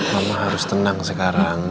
mama harus tenang sekarang